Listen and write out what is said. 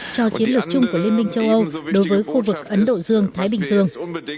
cho chiến lược chung của liên minh châu âu đối với khu vực ấn độ dương thái bình dương